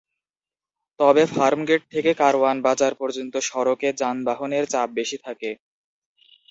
তবে ফার্মগেট থেকে কারওয়ান বাজার পর্যন্ত সড়কে যানবাহনের চাপ বেশি থাকে।